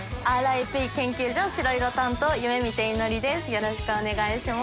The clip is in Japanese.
よろしくお願いします。